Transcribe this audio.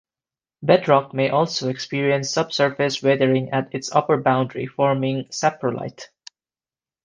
Bedrock may also experience subsurface weathering at its upper boundary, forming saprolite.